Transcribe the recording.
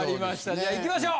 じゃあ行きましょう。